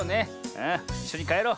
ああいっしょにかえろう。